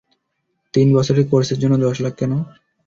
তিন বছরের কোর্সের জন্য দশ লাখ কেন?